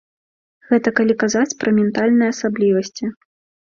Гэта калі казаць пра ментальныя асаблівасці.